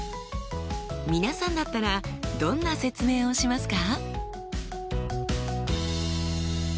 皆さんだったらどんな説明をしますか？